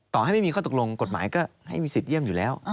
ต่อให้ไม่มีข้อตกลงกฎหมายก็ให้มีสิทธิเยี่ยมอยู่แล้ว